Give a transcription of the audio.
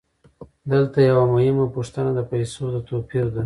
دلته یوه مهمه پوښتنه د پیسو د توپیر ده